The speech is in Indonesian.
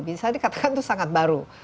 bisa dikatakan itu sangat baru